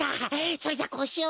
それじゃあこうしよう！